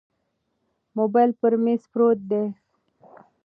موبایل پر مېز پروت دی.